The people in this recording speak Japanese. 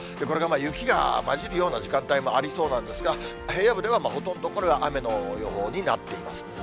これが雪が交じるような時間帯もありそうなんですが、平野部ではほとんどこれは雨の予報になっています。